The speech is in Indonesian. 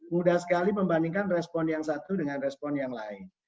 mudah sekali membandingkan respon yang satu dengan respon yang lain